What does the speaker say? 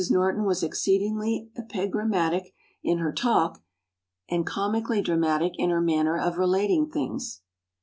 Norton was exceedingly epigrammatic in her talk, and comically dramatic in her manner of relating things....